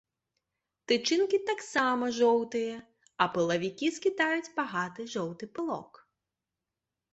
Тычынкі таксама жоўтыя, а пылавікі скідаюць багаты жоўты пылок.